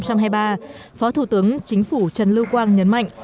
phó thủ tướng chính phủ trần lưu quang nhấn mạnh